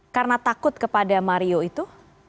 karena takut kepada mario itu